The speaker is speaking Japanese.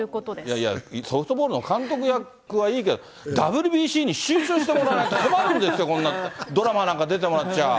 いやいや、ソフトボールの監督役はいいけど、ＷＢＣに集中してもらわないと困るんですよ、こんなドラマなんか出てもらっちゃ。